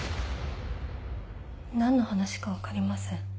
何の話か分かりません